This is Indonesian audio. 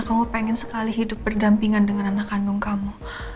kamu pengen sekali hidup berdampingan dengan anak kandung kamu